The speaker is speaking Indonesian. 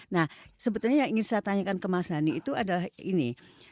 nah sebetulnya yang ingin saya tanyakan ke mas hani itu adalah ini